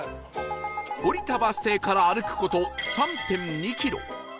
降りたバス停から歩く事 ３．２ キロ